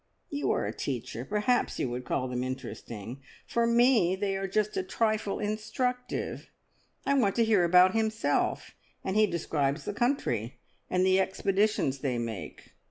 "You are a teacher; perhaps you would call them interesting. For me they are just a trifle instructive! I want to hear about himself, and he describes the country, and the expeditions they make.